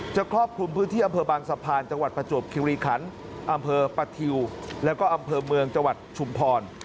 ครอบคลุมพื้นที่อำเภอบางสะพานจังหวัดประจวบคิวรีคันอำเภอปะทิวแล้วก็อำเภอเมืองจังหวัดชุมพร